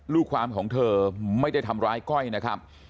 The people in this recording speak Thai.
ลูกความของเธอไม่ได้ทำร้ายก้อยนะครับ